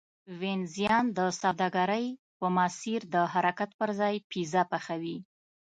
وینزیان د سوداګرۍ په مسیر د حرکت پرځای پیزا پخوي